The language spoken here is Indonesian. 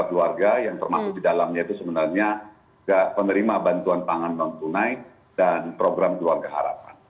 keluarga yang termasuk di dalamnya itu sebenarnya penerima bantuan pangan non tunai dan program keluarga harapan